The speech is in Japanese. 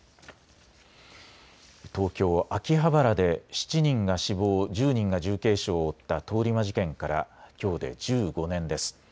東京秋葉原で７人が死亡、１０人が重軽傷を負った通り魔事件からきょうで１５年です。